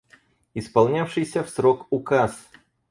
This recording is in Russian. Исполнявшийся в срок указ